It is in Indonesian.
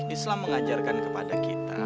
islam mengajarkan kepada kita